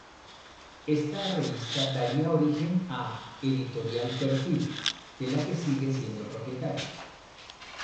Esta revista daría origen a Editorial Perfil, de la que sigue siendo propietario.